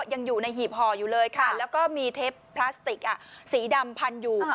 ยังอยู่ในหีบห่ออยู่เลยค่ะแล้วก็มีเทปพลาสติกสีดำพันอยู่